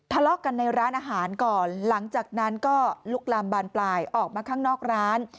ทะเลาะกันในร้านอาหารก่อนหลังจากนั้นก็ลุกลามบานปลายออกมาข้างนอกร้าน